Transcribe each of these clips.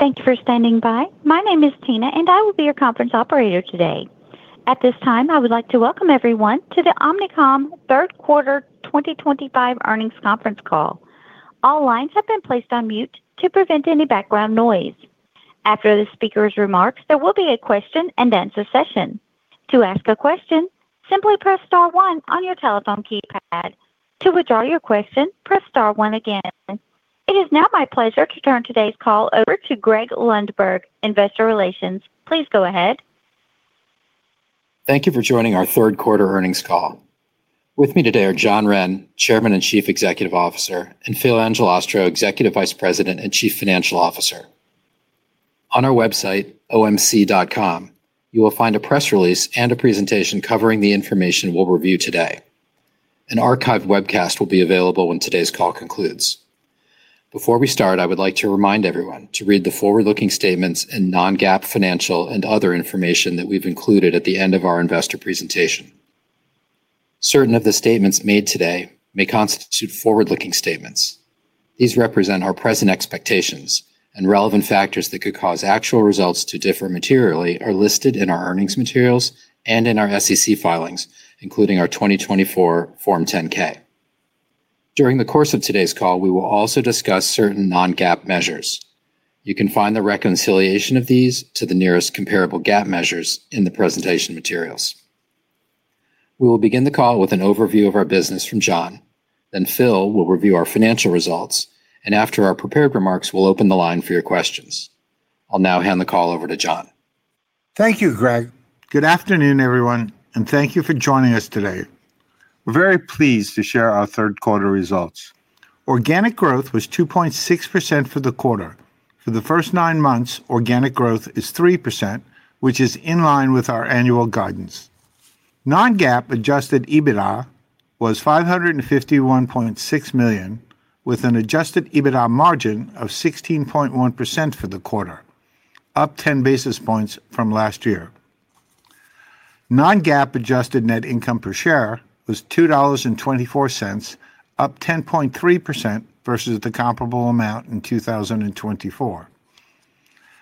Thank you for standing by. My name is Tina, and I will be your conference operator today. At this time, I would like to welcome everyone to the Omnicom third quarter 2025 earnings conference call. All lines have been placed on mute to prevent any background noise. After the speaker's remarks, there will be a question and answer session. To ask a question, simply press star one on your telephone keypad. To withdraw your question, press star one again. It is now my pleasure to turn today's call over to Greg Lundberg, Head of Investor Relations. Please go ahead. Thank you for joining our third quarter earnings call. With me today are John Wren, Chairman and Chief Executive Officer, and Philip J. Angelastro, Executive Vice President and Chief Financial Officer. On our website, omc.com, you will find a press release and a presentation covering the information we'll review today. An archived webcast will be available when today's call concludes. Before we start, I would like to remind everyone to read the forward-looking statements and non-GAAP financial and other information that we've included at the end of our investor presentation. Certain of the statements made today may constitute forward-looking statements. These represent our present expectations, and relevant factors that could cause actual results to differ materially are listed in our earnings materials and in our SEC filings, including our 2024 Form 10-K. During the course of today's call, we will also discuss certain non-GAAP measures. You can find the reconciliation of these to the nearest comparable GAAP measures in the presentation materials. We will begin the call with an overview of our business from John. Then Phil will review our financial results, and after our prepared remarks, we'll open the line for your questions. I'll now hand the call over to John. Thank you, Greg. Good afternoon, everyone, and thank you for joining us today. We're very pleased to share our third quarter results. Organic growth was 2.6% for the quarter. For the first nine months, organic growth is 3%, which is in line with our annual guidance. Non-GAAP adjusted EBITDA was $551.6 million, with an adjusted EBITDA margin of 16.1% for the quarter, up 10 basis points from last year. Non-GAAP adjusted net income per share was $2.24, up 10.3% versus the comparable amount in 2024.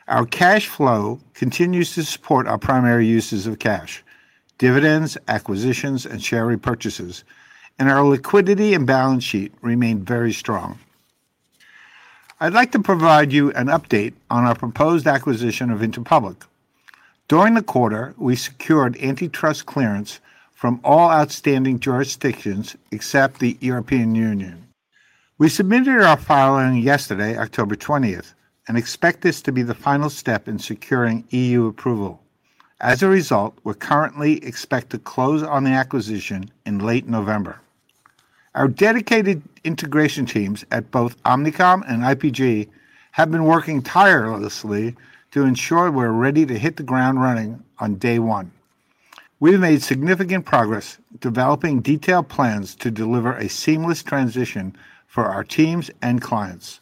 Our cash flow continues to support our primary uses of cash: dividends, acquisitions, and share repurchases, and our liquidity and balance sheet remain very strong. I'd like to provide you an update on our proposed acquisition of Interpublic. During the quarter, we secured antitrust clearance from all outstanding jurisdictions except the EU. We submitted our filing yesterday, October 20, and expect this to be the final step in securing EU approval. As a result, we currently expect to close on the acquisition in late November. Our dedicated integration teams at both Omnicom and IPG have been working tirelessly to ensure we're ready to hit the ground running on day one. We've made significant progress developing detailed plans to deliver a seamless transition for our teams and clients.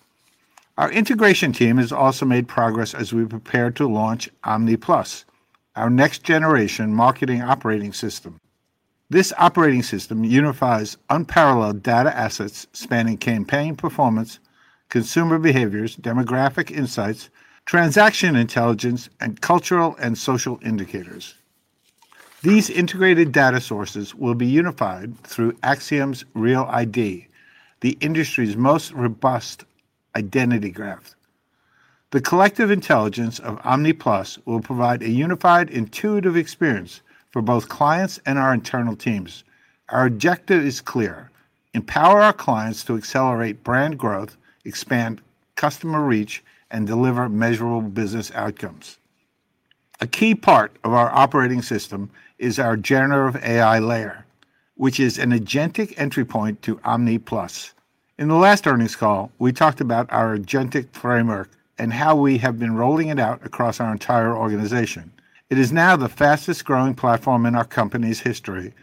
Our integration team has also made progress as we prepare to launch Omni+, our next-generation marketing operating system. This operating system unifies unparalleled data assets spanning campaign performance, consumer behaviors, demographic insights, transaction intelligence, and cultural and social indicators. These integrated data sources will be unified through Axiom's Real ID, the industry's most robust identity graph. The collective intelligence of Omni+ will provide a unified, intuitive experience for both clients and our internal teams. Our objective is clear: empower our clients to accelerate brand growth, expand customer reach, and deliver measurable business outcomes. A key part of our operating system is our generative AI layer, which is an agentic entry point to Omni+. In the last earnings call, we talked about our agentic framework and how we have been rolling it out across our entire organization. It is now the fastest-growing platform in our company's history,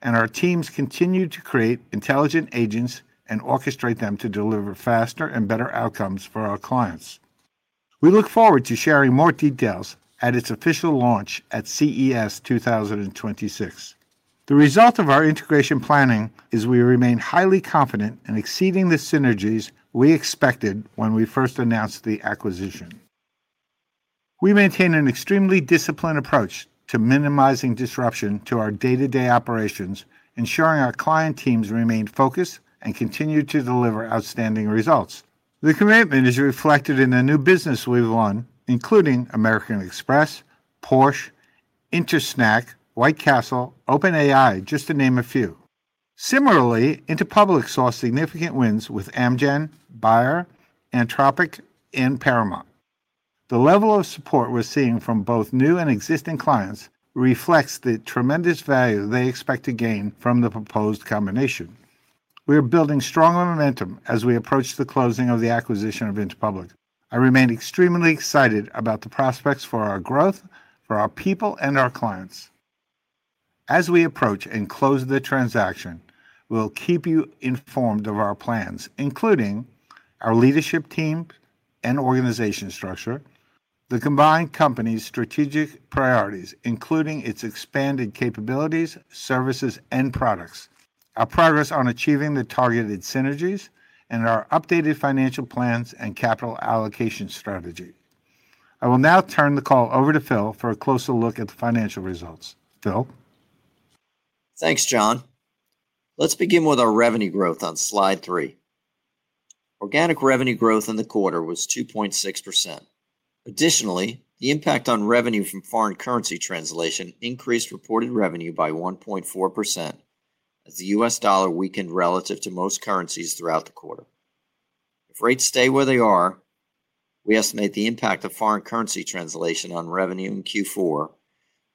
and our teams continue to create intelligent agents and orchestrate them to deliver faster and better outcomes for our clients. We look forward to sharing more details at its official launch at CES 2026. The result of our integration planning is we remain highly confident in exceeding the synergies we expected when we first announced the acquisition. We maintain an extremely disciplined approach to minimizing disruption to our day-to-day operations, ensuring our client teams remain focused and continue to deliver outstanding results. The commitment is reflected in the new business we've won, including American Express, Porsche, Intersnack, White Castle, OpenAI, just to name a few. Similarly, Interpublic saw significant wins with Amgen, Bayer, Anthropic, and Paramount. The level of support we're seeing from both new and existing clients reflects the tremendous value they expect to gain from the proposed combination. We are building stronger momentum as we approach the closing of the acquisition of Interpublic. I remain extremely excited about the prospects for our growth, for our people, and our clients. As we approach and close the transaction, we'll keep you informed of our plans, including our leadership team and organization structure, the combined company's strategic priorities, including its expanded capabilities, services, and products, our progress on achieving the targeted synergies, and our updated financial plans and capital allocation strategy. I will now turn the call over to Phil for a closer look at the financial results. Phil? Thanks, John. Let's begin with our revenue growth on slide three. Organic revenue growth in the quarter was 2.6%. Additionally, the impact on revenue from foreign currency translation increased reported revenue by 1.4% as the U.S. dollar weakened relative to most currencies throughout the quarter. If rates stay where they are, we estimate the impact of foreign currency translation on revenue in Q4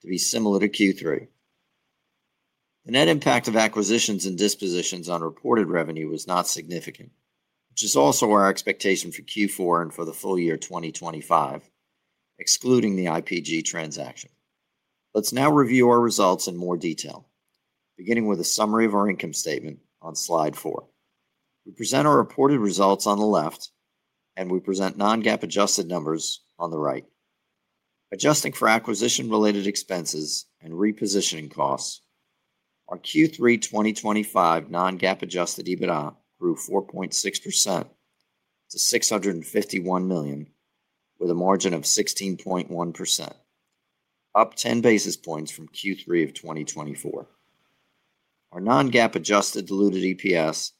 to be similar to Q3. The net impact of acquisitions and dispositions on reported revenue was not significant, which is also our expectation for Q4 and for the full year 2025, excluding the IPG transaction. Let's now review our results in more detail, beginning with a summary of our income statement on slide four. We present our reported results on the left, and we present non-GAAP adjusted numbers on the right. Adjusting for acquisition-related expenses and repositioning costs, our Q3 2025 non-GAAP adjusted EBITDA grew 4.6% to $651 million with a margin of 16.1%, up 10 basis points from Q3 of 2024. Our non-GAAP adjusted diluted EPS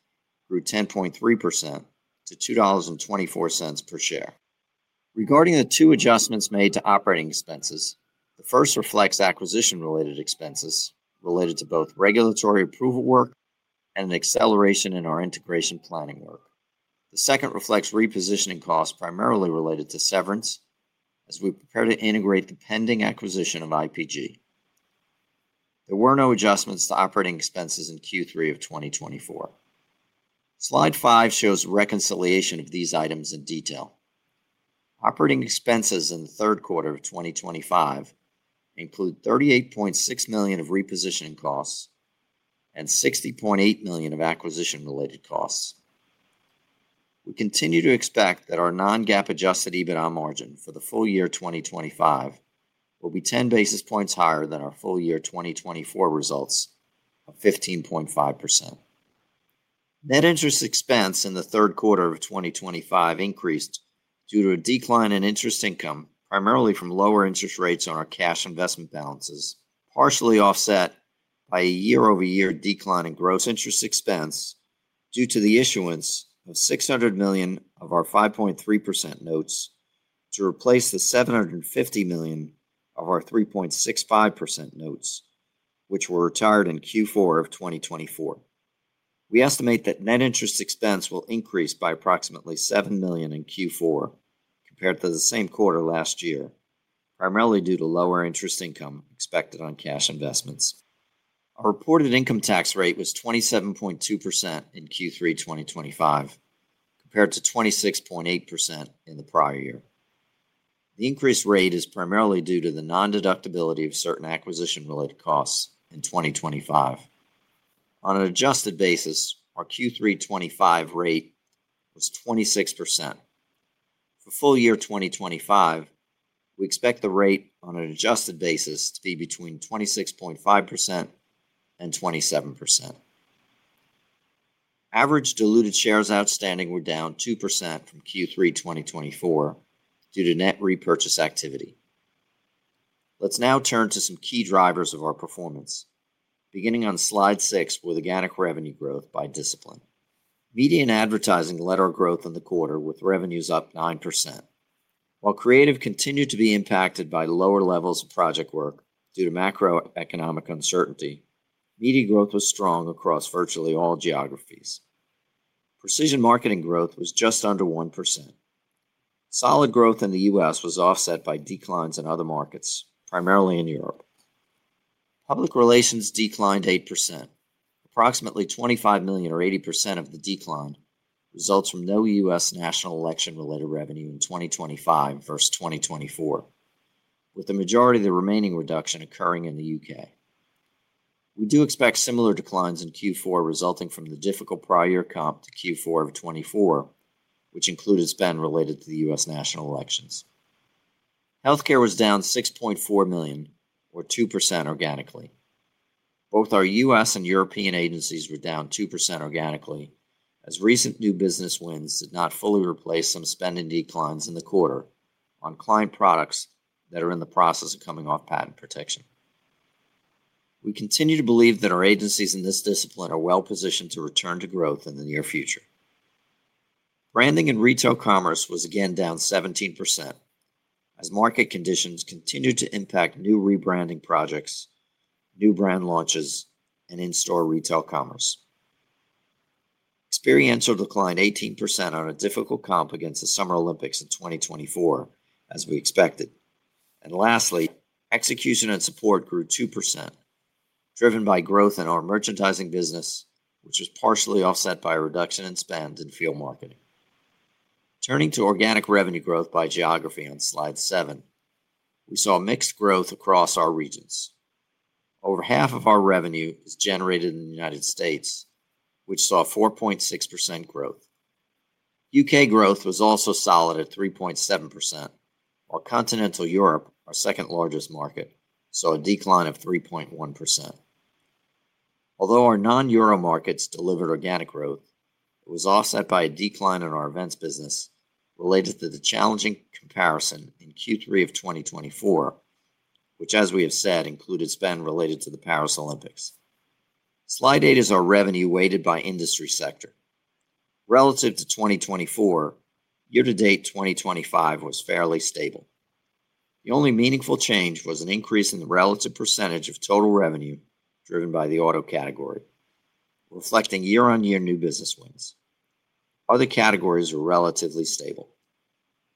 grew 10.3% to $2.24 per share. Regarding the two adjustments made to operating expenses, the first reflects acquisition-related expenses related to both regulatory approval work and an acceleration in our integration planning work. The second reflects repositioning costs primarily related to severance as we prepare to integrate the pending acquisition of IPG. There were no adjustments to operating expenses in Q3 of 2024. Slide five shows reconciliation of these items in detail. Operating expenses in the third quarter of 2025 include $38.6 million of repositioning costs and $60.8 million of acquisition-related costs. We continue to expect that our non-GAAP adjusted EBITDA margin for the full year 2025 will be 10 basis points higher than our full year 2024 results of 15.5%. Net interest expense in the third quarter of 2025 increased due to a decline in interest income, primarily from lower interest rates on our cash investment balances, partially offset by a year-over-year decline in gross interest expense due to the issuance of $600 million of our 5.3% notes to replace the $750 million of our 3.65% notes, which were retired in Q4 of 2024. We estimate that net interest expense will increase by approximately $7 million in Q4 compared to the same quarter last year, primarily due to lower interest income expected on cash investments. Our reported income tax rate was 27.2% in Q3 2025 compared to 26.8% in the prior year. The increased rate is primarily due to the non-deductibility of certain acquisition-related costs in 2025. On an adjusted basis, our Q3 2025 rate was 26%. For full year 2025, we expect the rate on an adjusted basis to be between 26.5% and 27%. Average diluted shares outstanding were down 2% from Q3 2024 due to net repurchase activity. Let's now turn to some key drivers of our performance, beginning on slide six with organic revenue growth by discipline. Media and advertising led our growth in the quarter with revenues up 9%. While creative continued to be impacted by lower levels of project work due to macroeconomic uncertainty, media growth was strong across virtually all geographies. Precision marketing growth was just under 1%. Solid growth in the U.S. was offset by declines in other markets, primarily in Europe. Public relations declined 8%. Approximately $25 million or 80% of the decline results from no U.S. national election-related revenue in 2025 versus 2024, with the majority of the remaining reduction occurring in the U.K. We do expect similar declines in Q4 resulting from the difficult prior year comp to Q4 of 2024, which included spend related to the U.S. national elections. Healthcare was down $6.4 million or 2% organically. Both our U.S. and European agencies were down 2% organically as recent new business wins did not fully replace some spending declines in the quarter on client products that are in the process of coming off patent protection. We continue to believe that our agencies in this discipline are well-positioned to return to growth in the near future. Branding and retail commerce was again down 17% as market conditions continue to impact new rebranding projects, new brand launches, and in-store retail commerce. Experiential declined 18% on a difficult comp against the Summer Olympics in 2024, as we expected. Lastly, execution and support grew 2%, driven by growth in our merchandising business, which was partially offset by a reduction in spend in field marketing. Turning to organic revenue growth by geography on slide seven, we saw mixed growth across our regions. Over half of our revenue is generated in the United States, which saw 4.6% growth. U.K. growth was also solid at 3.7%, while continental Europe, our second-largest market, saw a decline of 3.1%. Although our non-Euro markets delivered organic growth, it was offset by a decline in our events business related to the challenging comparison in Q3 of 2024, which, as we have said, included spend related to the Paris Olympics. Slide eight is our revenue weighted by industry sector. Relative to 2024, year-to-date 2025 was fairly stable. The only meaningful change was an increase in the relative percentage of total revenue driven by the auto category, reflecting year-on-year new business wins. Other categories were relatively stable.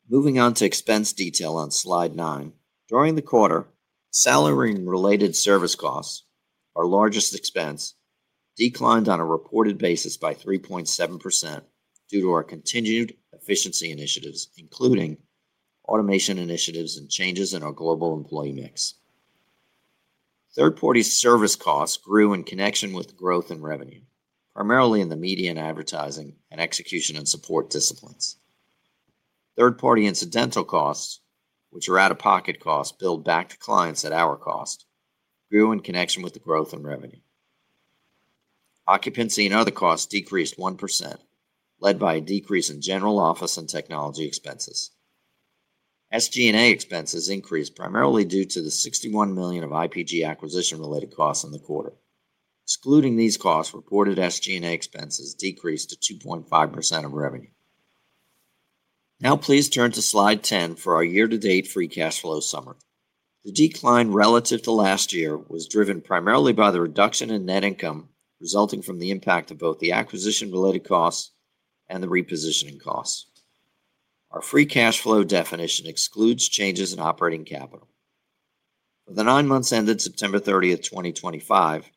Moving on to expense detail on slide nine, during the quarter, salary and related service costs, our largest expense, declined on a reported basis by 3.7% due to our continued efficiency initiatives, including automation initiatives and changes in our global employee mix. Third-party service costs grew in connection with growth in revenue, primarily in the media and advertising and execution and support disciplines. Third-party incidental costs, which are out-of-pocket costs billed back to clients at our cost, grew in connection with the growth in revenue. Occupancy and other costs decreased 1%, led by a decrease in general office and technology expenses. SG&A expenses increased primarily due to the $61 million of Interpublic Group of Companies acquisition-related costs in the quarter. Excluding these costs, reported SG&A expenses decreased to 2.5% of revenue. Now please turn to slide 10 for our year-to-date free cash flow summary. The decline relative to last year was driven primarily by the reduction in net income resulting from the impact of both the acquisition-related costs and the repositioning costs. Our free cash flow definition excludes changes in operating capital. For the nine months ended September 30, 2025,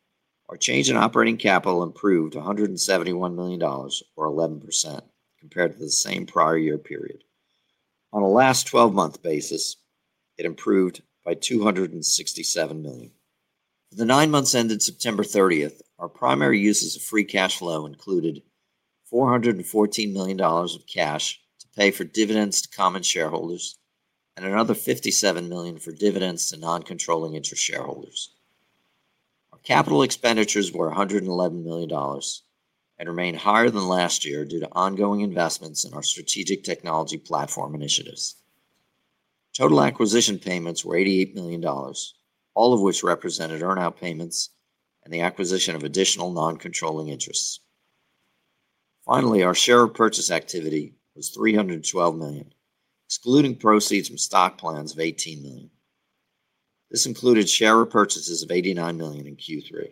our change in operating capital improved $171 million, or 11%, compared to the same prior year period. On a last 12-month basis, it improved by $267 million. For the nine months ended September 30, our primary uses of free cash flow included $414 million of cash to pay for dividends to common shareholders and another $57 million for dividends to non-controlling interest shareholders. Our capital expenditures were $111 million and remained higher than last year due to ongoing investments in our strategic technology platform initiatives. Total acquisition payments were $88 million, all of which represented earnout payments and the acquisition of additional non-controlling interests. Finally, our share repurchase activity was $312 million, excluding proceeds from stock plans of $18 million. This included share repurchases of $89 million in Q3.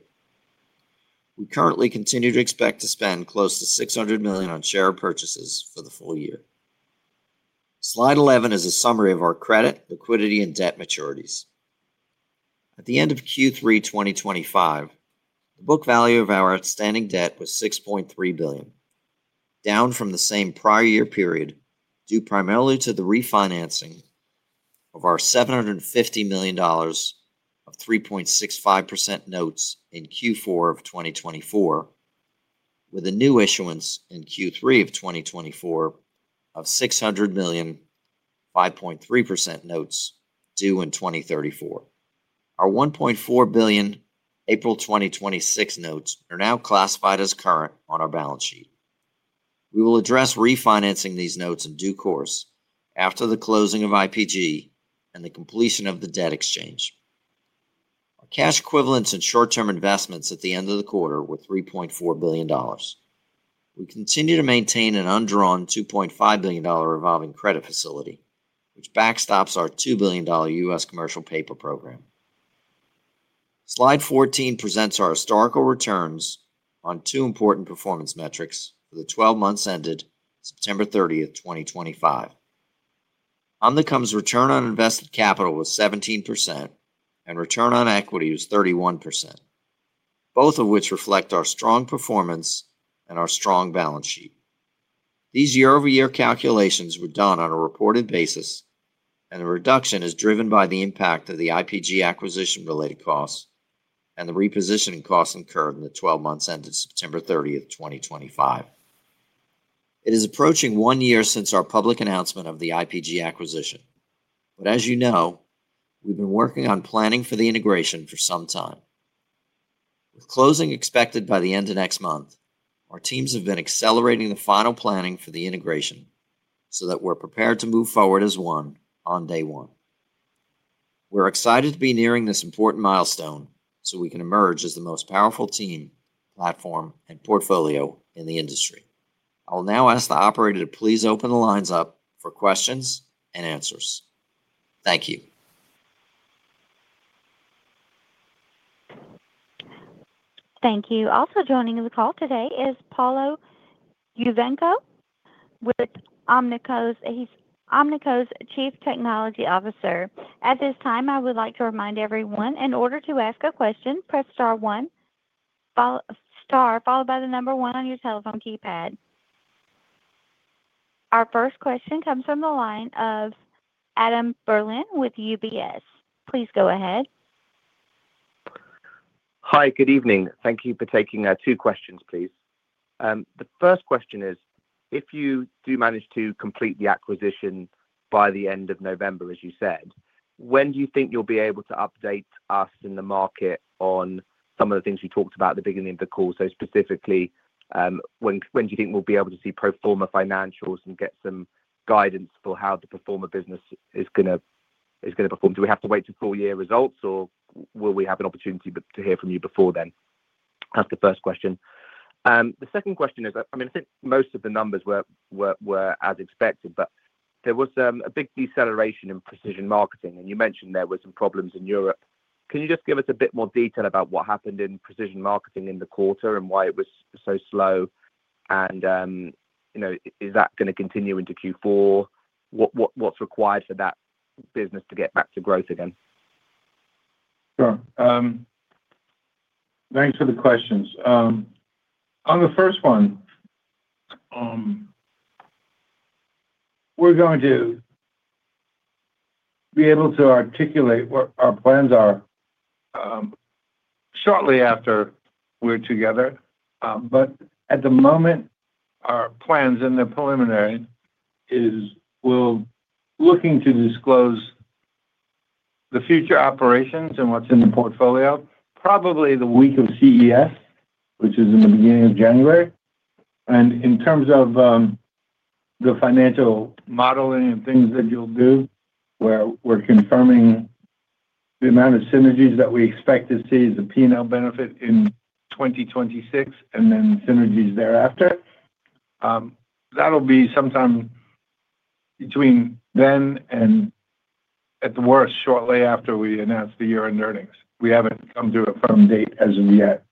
We currently continue to expect to spend close to $600 million on share repurchases for the full year. Slide 11 is a summary of our credit, liquidity, and debt maturities. At the end of Q3 2025, the book value of our outstanding debt was $6.3 billion, down from the same prior year period due primarily to the refinancing of our $750 million of 3.65% notes in Q4 of 2024, with a new issuance in Q3 of 2024 of $600 million, 5.3% notes due in 2034. Our $1.4 billion April 2026 notes are now classified as current on our balance sheet. We will address refinancing these notes in due course after the closing of the IPG acquisition and the completion of the debt exchange. Our cash equivalents and short-term investments at the end of the quarter were $3.4 billion. We continue to maintain an undrawn $2.5 billion revolving credit facility, which backstops our $2 billion U.S. commercial paper program. Slide 14 presents our historical returns on two important performance metrics for the 12 months ended September 30, 2025. Omnicom's return on invested capital was 17%, and return on equity was 31%, both of which reflect our strong performance and our strong balance sheet. These year-over-year calculations were done on a reported basis, and the reduction is driven by the impact of the IPG acquisition-related costs and the repositioning costs incurred in the 12 months ended September 30, 2025. It is approaching one year since our public announcement of the IPG acquisition, but as you know, we've been working on planning for the integration for some time. With closing expected by the end of next month, our teams have been accelerating the final planning for the integration so that we're prepared to move forward as one on day one. We're excited to be nearing this important milestone so we can emerge as the most powerful team, platform, and portfolio in the industry. I will now ask the operator to please open the lines up for questions and answers. Thank you. Thank you. Also joining the call today is Paolo Yuvienco, Omnicom's Chief Technology Officer. At this time, I would like to remind everyone, in order to ask a question, press star one, star followed by the number one on your telephone keypad. Our first question comes from the line of Adam Berlin with UBS. Please go ahead. Hi, good evening. Thank you for taking our two questions, please. The first question is, if you do manage to complete the acquisition by the end of November, as you said, when do you think you'll be able to update us in the market on some of the things you talked about at the beginning of the call? Specifically, when do you think we'll be able to see pro forma financials and get some guidance for how the pro forma business is going to perform? Do we have to wait to full-year results, or will we have an opportunity to hear from you before then? That's the first question. The second question is, I think most of the numbers were as expected, but there was a big deceleration in precision marketing, and you mentioned there were some problems in Europe. Can you just give us a bit more detail about what happened in precision marketing in the quarter and why it was so slow? Is that going to continue into Q4? What's required for that business to get back to growth again? Sure. Thanks for the questions. On the first one, we're going to be able to articulate what our plans are shortly after we're together. At the moment, our plans in the preliminary are looking to disclose the future operations and what's in the portfolio probably the week of CES, which is in the beginning of January. In terms of the financial modeling and things that you'll do, we're confirming the amount of synergies that we expect to see as a P&L benefit in 2026 and then synergies thereafter. That'll be sometime between then and at the worst, shortly after we announce the year-end earnings. We haven't come to a firm date as of yet.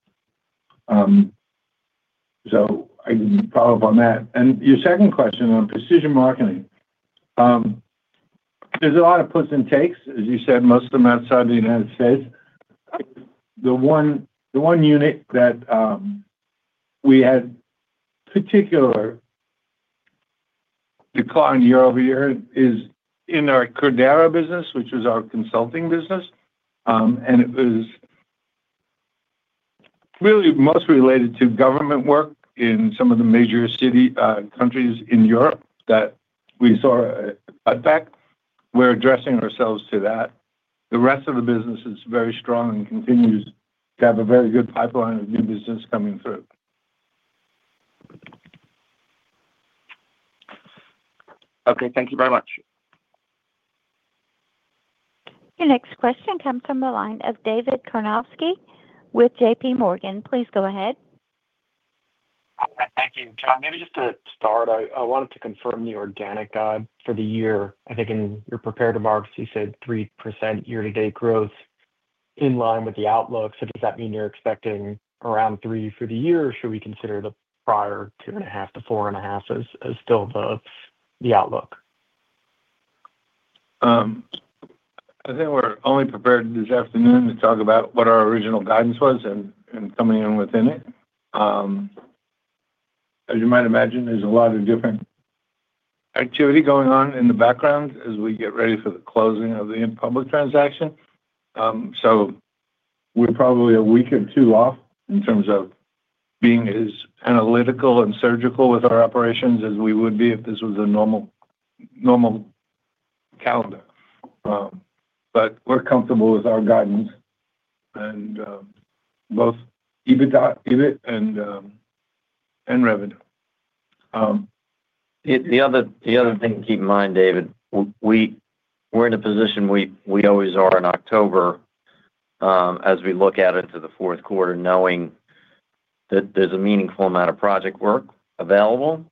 I can follow-up on that. Your second question on precision marketing, there's a lot of puts and takes, as you said, most of them outside the U.S. The one unit that we had a particular decline year-over-year is in our Cordara business, which was our consulting business. It was really mostly related to government work in some of the major city countries in Europe that we saw a cutback. We're addressing ourselves to that. The rest of the business is very strong and continues to have a very good pipeline of new business coming through. Okay, thank you very much. Your next question comes from the line of David Karnovsky with JP Morgan. Please go ahead. Thank you. John, maybe just to start, I wanted to confirm the organic guide for the year. I think in your prepared remarks, you said 3% year-to-date growth in line with the outlook. Does that mean you're expecting around 3% for the year, or should we consider the prior 2.5%-4.5% as still the outlook? I think we're only prepared this afternoon to talk about what our original guidance was and coming in within it. As you might imagine, there's a lot of different activity going on in the background as we get ready for the closing of the public transaction. We're probably a week or two off in terms of being as analytical and surgical with our operations as we would be if this was a normal calendar, but we're comfortable with our guidance, both EBIT and revenue. The other thing to keep in mind, David, we're in a position we always are in October, as we look at it to the fourth quarter, knowing that there's a meaningful amount of project work available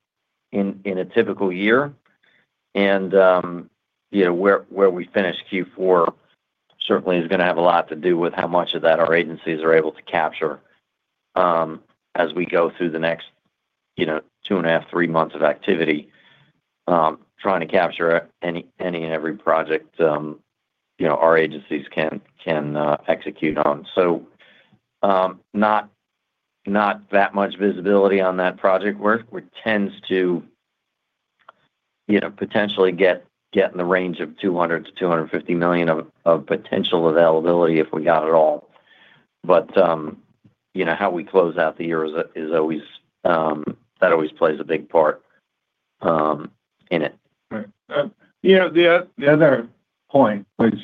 in a typical year. Where we finish Q4 certainly is going to have a lot to do with how much of that our agencies are able to capture, as we go through the next two and a half, three months of activity, trying to capture any and every project our agencies can execute on. Not that much visibility on that project work, which tends to potentially get in the range of $200 million-$250 million of potential availability if we got it all. How we close out the year always plays a big part in it. The other point, which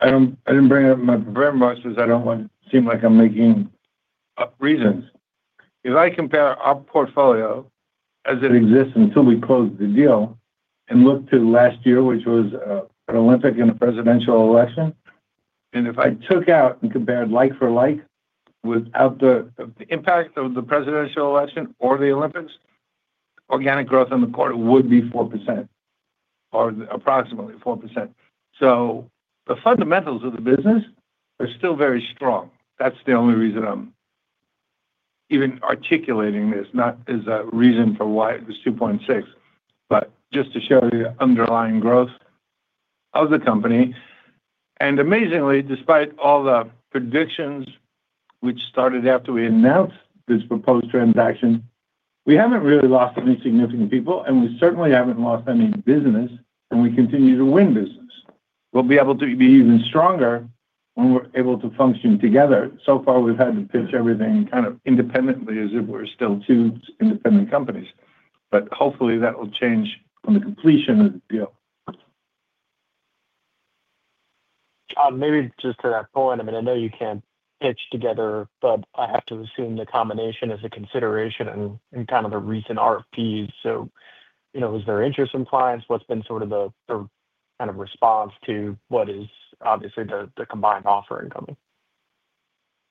I didn't bring up in my prepared remarks, is I don't want to seem like I'm making up reasons. If I compare our portfolio as it exists until we close the deal and look to last year, which was an Olympic and a presidential election, and if I took out and compared like for like without the impact of the presidential election or the Olympics, the organic growth in the quarter would be 4% or approximately 4%. The fundamentals of the business are still very strong. That's the only reason I'm even articulating this, not as a reason for why it was 2.6%, but just to show you the underlying growth of the company. Amazingly, despite all the predictions, which started after we announced this proposed transaction, we haven't really lost any significant people, and we certainly haven't lost any business, and we continue to win business. We'll be able to be even stronger when we're able to function together. So far, we've had to pitch everything kind of independently as if we're still two independent companies. Hopefully, that will change on the completion of the deal. John, maybe just to that point, I mean, I know you can't pitch together, but I have to assume the combination is a consideration in kind of the recent RFPs. Is there interest in clients? What's been sort of the kind of response to what is obviously the combined offering coming?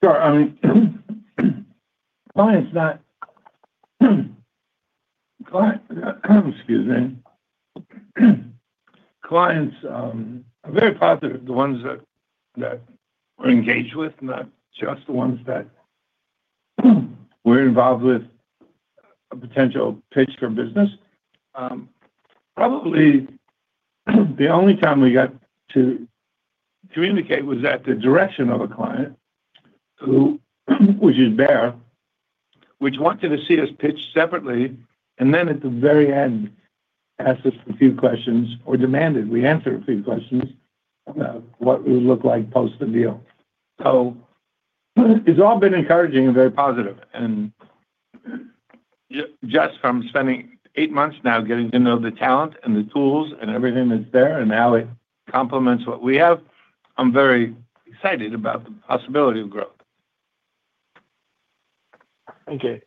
Sure. Clients are very positive, the ones that we're engaged with, not just the ones that we're involved with a potential pitch for business. The only time we got to communicate was at the direction of a client, which is Bayer, which wanted to see us pitch separately, and then at the very end, asked us a few questions or demanded we answer a few questions about what it would look like post the deal. It's all been encouraging and very positive. Just from spending eight months now getting to know the talent and the tools and everything that's there and how it complements what we have, I'm very excited about the possibility of growth. Thank you.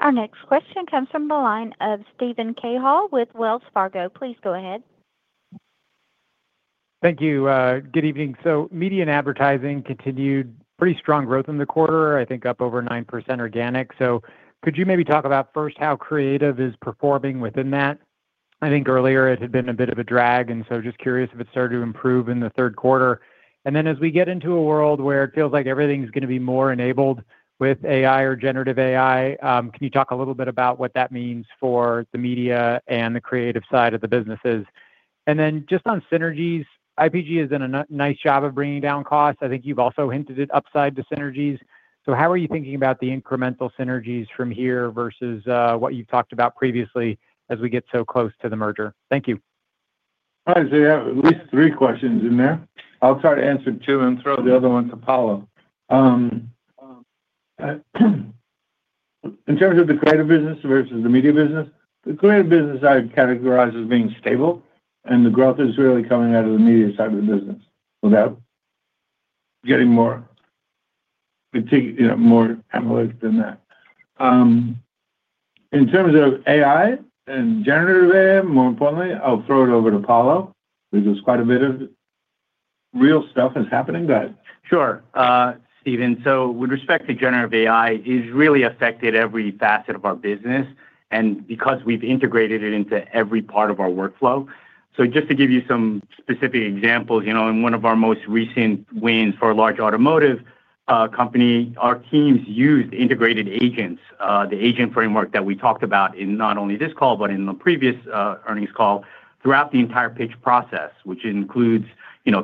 Our next question comes from the line of Steven Cahall with Wells Fargo. Please go ahead. Thank you. Good evening. Media and advertising continued pretty strong growth in the quarter, I think up over 9% organic. Could you maybe talk about first how Creative is performing within that? I think earlier it had been a bit of a drag, and just curious if it started to improve in the third quarter. As we get into a world where it feels like everything's going to be more enabled with AI or generative AI, can you talk a little bit about what that means for the media and the creative side of the businesses? Just on synergies, IPG has done a nice job of bringing down costs. I think you've also hinted at upside to synergies. How are you thinking about the incremental synergies from here versus what you've talked about previously as we get so close to the merger? Thank you. All right. You have at least three questions in there. I'll try to answer two and throw the other one to Paolo. In terms of the creative business versus the media business, the creative business I would categorize as being stable, and the growth is really coming out of the media side of the business without getting more analytic than that. In terms of AI and generative AI, more importantly, I'll throw it over to Paolo, because quite a bit of real stuff is happening. Sure. Stephen, with respect to generative AI, it's really affected every facet of our business because we've integrated it into every part of our workflow. To give you some specific examples, in one of our most recent wins for a large automotive company, our teams used integrated agents, the agentic framework that we talked about in not only this call but in the previous earnings call, throughout the entire pitch process, which includes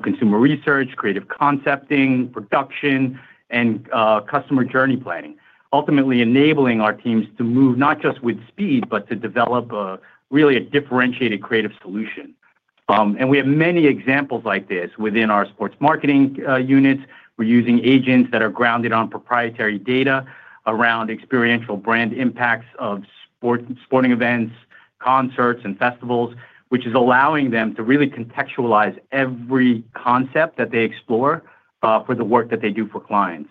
consumer research, creative concepting, production, and customer journey planning, ultimately enabling our teams to move not just with speed but to develop really a differentiated creative solution. We have many examples like this within our sports marketing units. We're using agents that are grounded on proprietary data around experiential brand impacts of sporting events, concerts, and festivals, which is allowing them to really contextualize every concept that they explore for the work that they do for clients.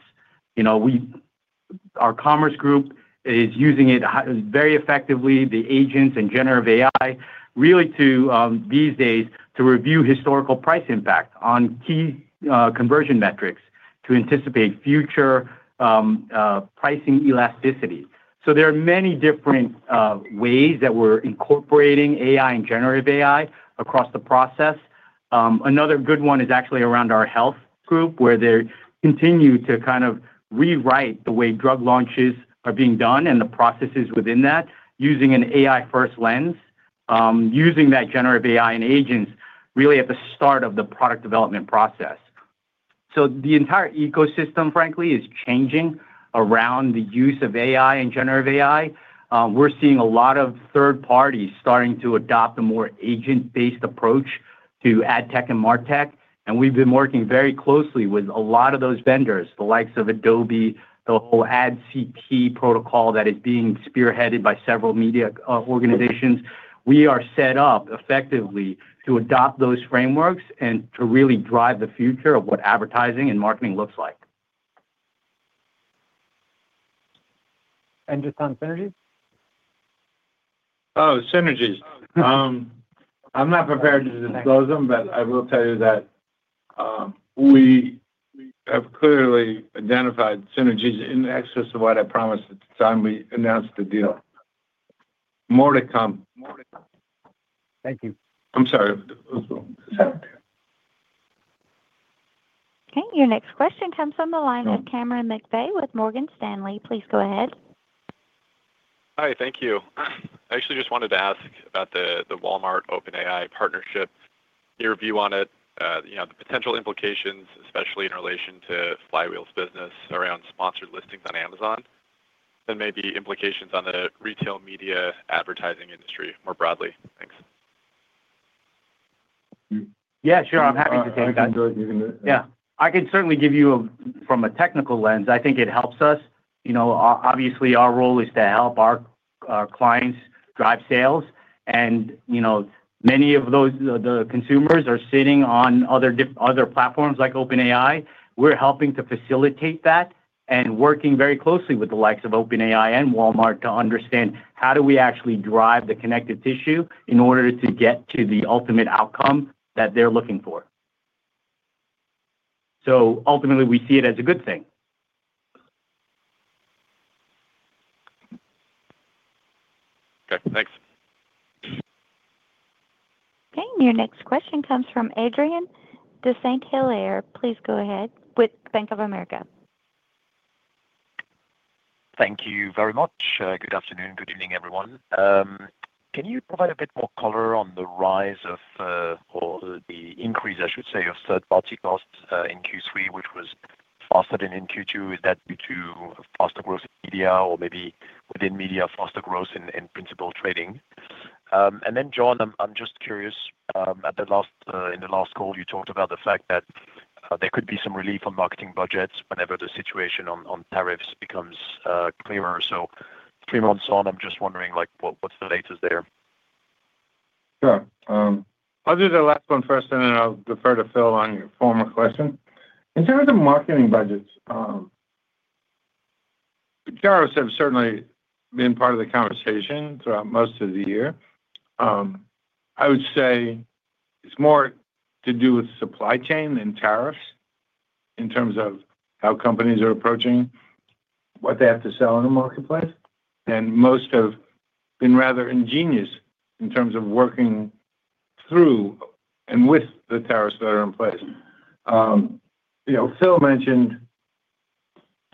Our commerce group is using it very effectively, the agents and generative AI, these days to review historical price impact on key conversion metrics to anticipate future pricing elasticity. There are many different ways that we're incorporating AI and generative AI across the process. Another good one is actually around our health group where they continue to kind of rewrite the way drug launches are being done and the processes within that using an AI-first lens, using that generative AI and agents at the start of the product development process. The entire ecosystem, frankly, is changing around the use of AI and generative AI. We're seeing a lot of third parties starting to adopt a more agent-based approach to AdTech and MarTech, and we've been working very closely with a lot of those vendors, the likes of Adobe, the whole AdCP protocol that is being spearheaded by several media organizations. We are set up effectively to adopt those frameworks and to really drive the future of what advertising and marketing looks like. Just on synergies? Oh, synergies. I'm not prepared to disclose them, but I will tell you that we have clearly identified synergies in excess of what I promised at the time we announced the deal. More to come. Thank you. I'm sorry. Okay. Your next question comes from the line of Cameron McVeigh with Morgan Stanley. Please go ahead. Hi. Thank you. I actually just wanted to ask about the Walmart-OpenAI partnership, your view on it, you know, the potential implications, especially in relation to Flywheel's business around sponsored listings on Amazon, and maybe implications on the retail media advertising industry more broadly. Thanks. Yeah, sure. I'm happy to take that. Yeah. I can certainly give you a from a technical lens. I think it helps us. Obviously, our role is to help our clients drive sales. Many of those consumers are sitting on different other platforms like OpenAI. We're helping to facilitate that and working very closely with the likes of OpenAI and Walmart to understand how do we actually drive the connective tissue in order to get to the ultimate outcome that they're looking for. Ultimately, we see it as a good thing. Okay. Thanks. Okay. Your next question comes from Adrian de Saint Hilaire. Please go ahead with Bank of America. Thank you very much. Good afternoon. Good evening, everyone. Can you provide a bit more color on the rise of, or the increase, I should say, of third-party costs in Q3, which was faster than in Q2? Is that due to faster growth in media, or maybe within media, faster growth in principal trading? John, I'm just curious, in the last call, you talked about the fact that there could be some relief on marketing budgets whenever the situation on tariffs becomes clearer. Three months on, I'm just wondering, like what's the latest there? Sure. I'll do the last one first, and then I'll defer to Phil on your former question. In terms of marketing budgets, tariffs have certainly been part of the conversation throughout most of the year. I would say it's more to do with supply chain than tariffs in terms of how companies are approaching what they have to sell in the marketplace. Most have been rather ingenious in terms of working through and with the tariffs that are in place. Phil mentioned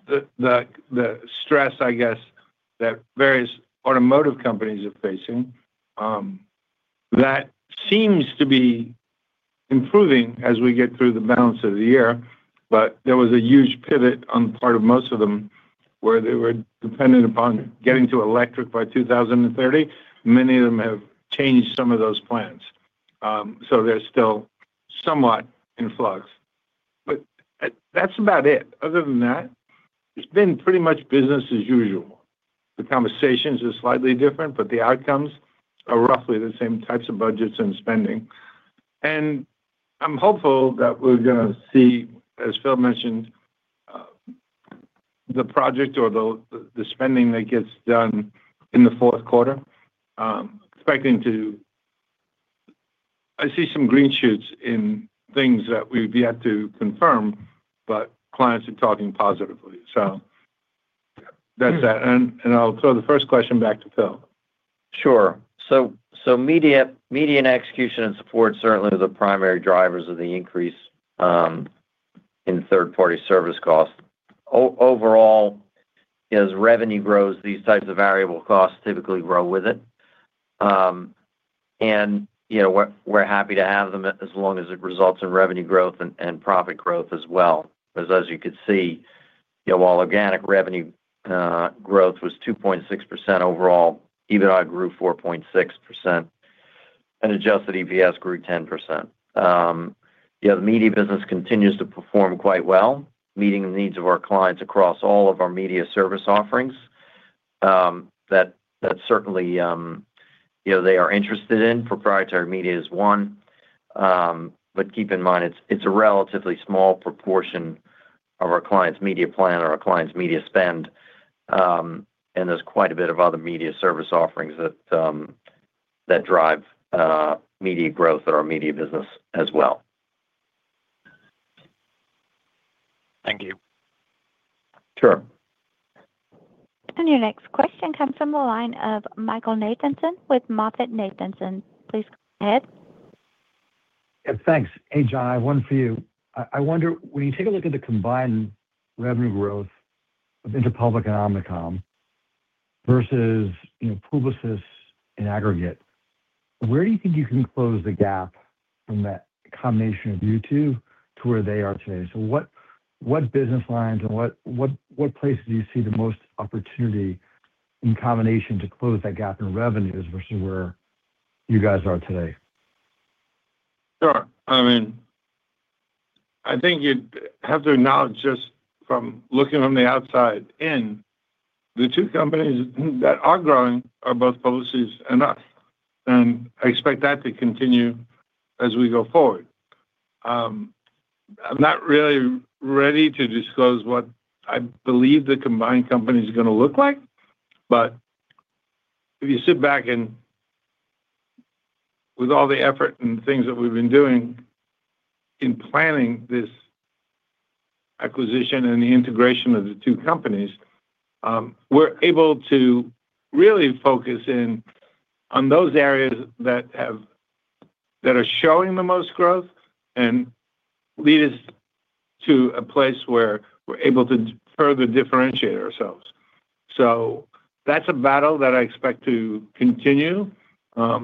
the stress, I guess, that various automotive companies are facing. That seems to be improving as we get through the balance of the year. There was a huge pivot on the part of most of them where they were dependent upon getting to electric by 2030. Many of them have changed some of those plans. They're still somewhat in flux. That's about it. Other than that, it's been pretty much business as usual. The conversations are slightly different, but the outcomes are roughly the same types of budgets and spending. I'm hopeful that we're going to see, as Phil mentioned, the project or the spending that gets done in the fourth quarter. I see some green shoots in things that we've yet to confirm, but clients are talking positively. That's that. I'll throw the first question back to Phil. Sure. Media and execution and support certainly are the primary drivers of the increase in third-party service costs. Overall, as revenue grows, these types of variable costs typically grow with it. We're happy to have them as long as it results in revenue growth and profit growth as well. As you could see, while organic revenue growth was 2.6% overall, EBITDA grew 4.6%, and adjusted EPS grew 10%. The media business continues to perform quite well, meeting the needs of our clients across all of our media service offerings. That's certainly what they are interested in. Proprietary media is one. Keep in mind, it's a relatively small proportion of our clients' media plan or our clients' media spend. There's quite a bit of other media service offerings that drive media growth in our media business as well. Thank you. Sure. Your next question comes from the line of Michael Nathanson with MoffettNathanson. Please go ahead. Yeah, thanks. Hey, John, I have one for you. I wonder, when you take a look at the combined revenue growth of Interpublic and Omnicom versus in aggregate, where do you think you can close the gap from that combination of you two to where they are today? What business lines and what places do you see the most opportunity in combination to close that gap in revenues versus where you guys are today? Sure. I mean, I think you'd have to acknowledge just from looking from the outside in, the two companies that are growing are both Publicis and us, I expect that to continue as we go forward. I'm not really ready to disclose what I believe the combined company is going to look like. If you sit back and with all the effort and things that we've been doing in planning this acquisition and the integration of the two companies, we're able to really focus in on those areas that are showing the most growth and lead us to a place where we're able to further differentiate ourselves. That's a battle that I expect to continue kind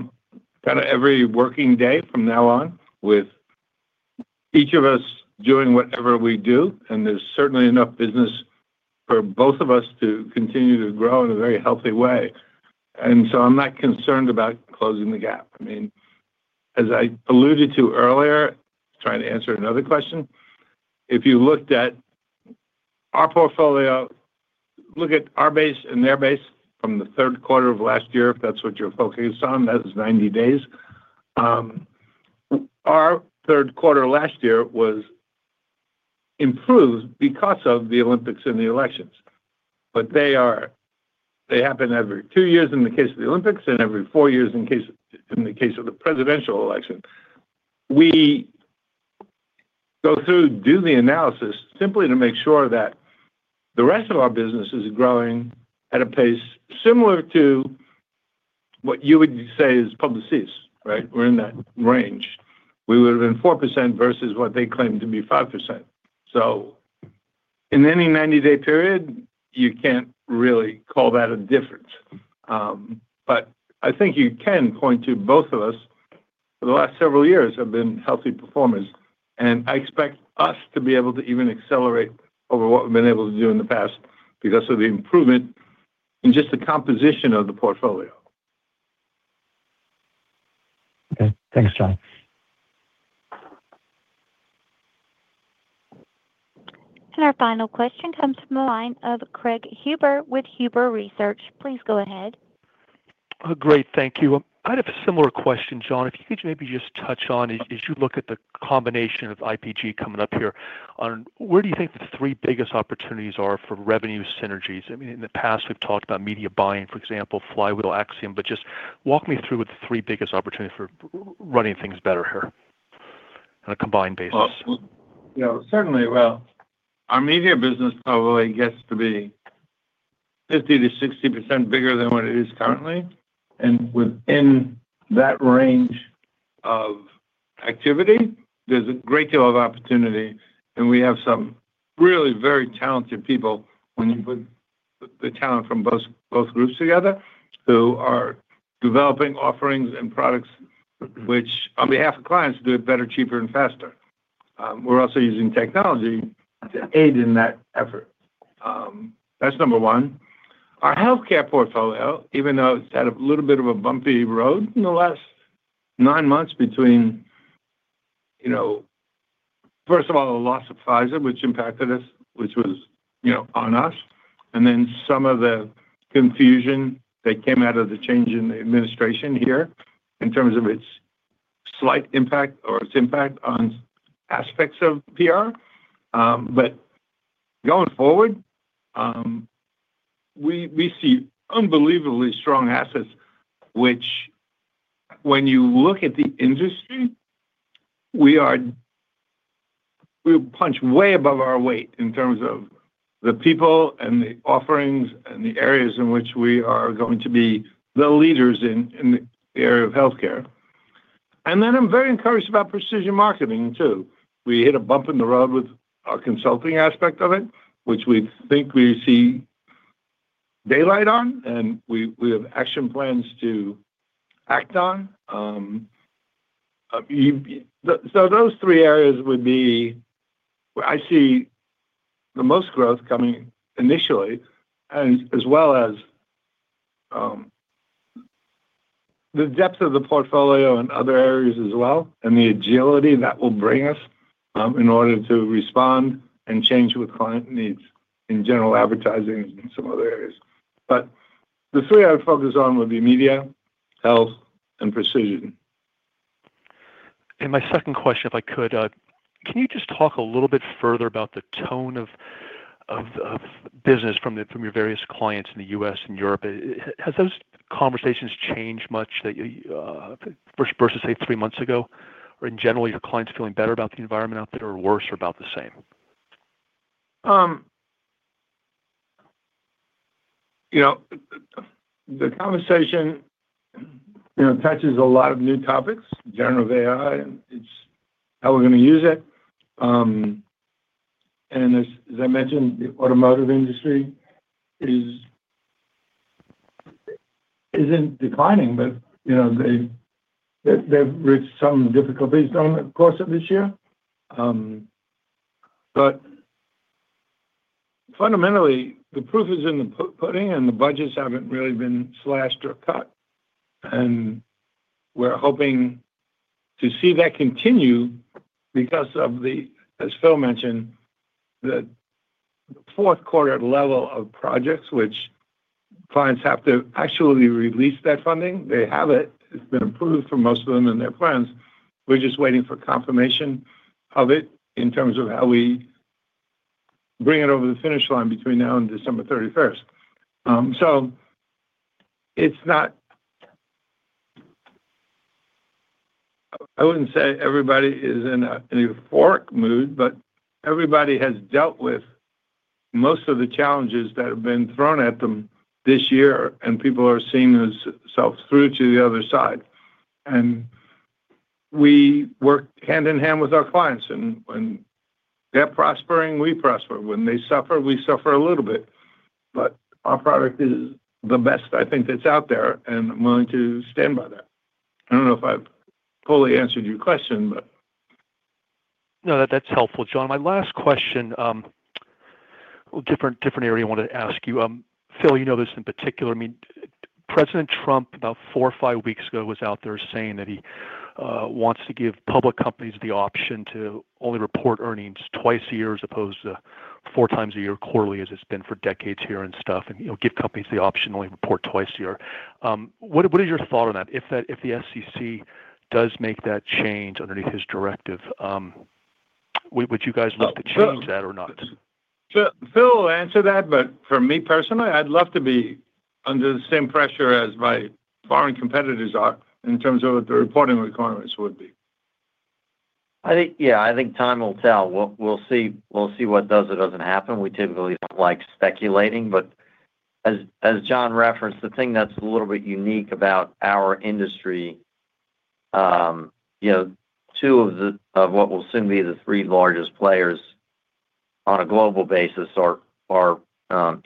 of every working day from now on with each of us doing whatever we do. There's certainly enough business for both of us to continue to grow in a very healthy way. I'm not concerned about closing the gap. I mean, as I alluded to earlier, trying to answer another question, if you looked at our portfolio, look at our base and their base from the third quarter of last year, if that's what you're focused on, that is 90 days. Our third quarter last year was improved because of the Olympics and the elections. They happen every two years in the case of the Olympics and every four years in the case of the presidential election. We go through, do the analysis simply to make sure that the rest of our business is growing at a pace similar to what you would say is Publicis, right? We're in that range. We would have been 4% versus what they claim to be 5%. In any 90-day period, you can't really call that a difference. I think you can point to both of us for the last several years have been healthy performers. I expect us to be able to even accelerate over what we've been able to do in the past because of the improvement in just the composition of the portfolio. Okay. Thanks, John. Our final question comes from the line of Craig Huber with Huber Research. Please go ahead. Great. Thank you. I'd have a similar question, John. If you could maybe just touch on, as you look at the combination of Interpublic Group of Companies coming up here, where do you think the three biggest opportunities are for revenue synergies? I mean, in the past, we've talked about media buying, for example, Flywheel, Axiom, but just walk me through what the three biggest opportunities are for running things better here on a combined basis. Our media business probably gets to be 50%-60% bigger than what it is currently. Within that range of activity, there's a great deal of opportunity. We have some really very talented people when you put the talent from both groups together who are developing offerings and products, which on behalf of clients do it better, cheaper, and faster. We're also using technology to aid in that effort. That's number one. Our healthcare portfolio, even though it's had a little bit of a bumpy road in the last nine months between, first of all, the loss of Pfizer, which impacted us, which was on us, and then some of the confusion that came out of the change in the administration here in terms of its slight impact or its impact on aspects of public relations. Going forward, we see unbelievably strong assets, which when you look at the industry, we will punch way above our weight in terms of the people and the offerings and the areas in which we are going to be the leaders in the area of healthcare. I'm very encouraged about precision marketing too. We hit a bump in the road with our consulting aspect of it, which we think we see daylight on, and we have action plans to act on. Those three areas would be where I see the most growth coming initially, as well as the depth of the portfolio and other areas as well, and the agility that will bring us in order to respond and change with client needs in general advertising and some other areas. The three I would focus on would be media, health, and precision. My second question, if I could, can you just talk a little bit further about the tone of business from your various clients in the U.S. and Europe? Have those conversations changed much for you versus, say, three months ago? In general, are your clients feeling better about the environment out there, or worse, or about the same? The conversation touches a lot of new topics, generative AI, and it's how we're going to use it. As I mentioned, the automotive industry isn't declining, but they've reached some difficulties during the course of this year. Fundamentally, the proof is in the pudding, and the budgets haven't really been slashed or cut. We're hoping to see that continue because of the, as Phil mentioned, the fourth quarter level of projects, which clients have to actually release that funding. They have it. It's been approved for most of them and their plans. We're just waiting for confirmation of it in terms of how we bring it over the finish line between now and December 31. It's not, I wouldn't say everybody is in a euphoric mood, but everybody has dealt with most of the challenges that have been thrown at them this year, and people are seeing themselves through to the other side. We work hand in hand with our clients. When they're prospering, we prosper. When they suffer, we suffer a little bit. Our product is the best I think that's out there, and I'm willing to stand by that. I don't know if I've fully answered your question, but. No, that's helpful, John. My last question, a different area I wanted to ask you. Phil, you know this in particular. I mean, President Trump, about four or five weeks ago, was out there saying that he wants to give public companies the option to only report earnings twice a year as opposed to 4x a year, quarterly, as it's been for decades here, and you know, give companies the option to only report twice a year. What is your thought on that? If the SEC does make that change underneath his directive, would you guys look to change that or not? Phil will answer that, but for me personally, I'd love to be under the same pressure as my foreign competitors are in terms of what the reporting requirements would be. I think time will tell. We'll see what does or doesn't happen. We typically don't like speculating. As John referenced, the thing that's a little bit unique about our industry is two of what will soon be the three largest players on a global basis are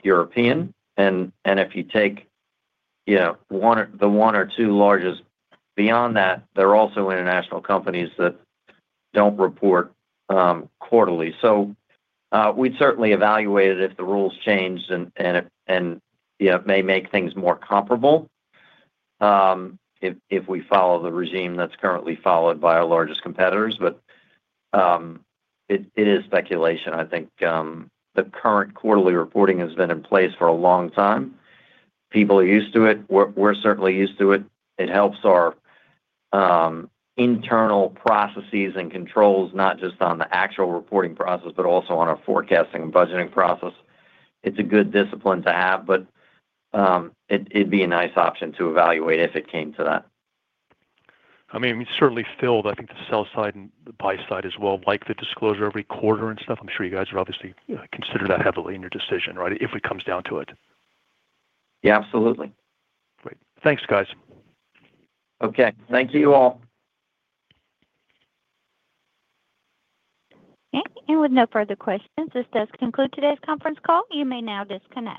European. If you take one or two of the largest beyond that, there are also international companies that don't report quarterly. We'd certainly evaluate it if the rules changed and it may make things more comparable if we follow the regime that's currently followed by our largest competitors. It is speculation. I think the current quarterly reporting has been in place for a long time. People are used to it. We're certainly used to it. It helps our internal processes and controls, not just on the actual reporting process, but also on our forecasting and budgeting process. It's a good discipline to have, but it'd be a nice option to evaluate if it came to that. We certainly feel, I think, the sell side and the buy side as well like the disclosure every quarter and stuff. I'm sure you guys would obviously consider that heavily in your decision, right, if it comes down to it. Yeah, absolutely. Great. Thanks, guys. Okay, thank you all. Okay. With no further questions, this does conclude today's conference call. You may now disconnect.